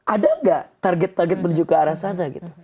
ada nggak target target menuju ke arah sana gitu